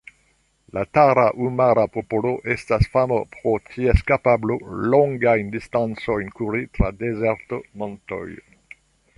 La Tarahumara-popolo estas fama pro ties kapablo, longajn distancojn kuri tra dezerto, montoj.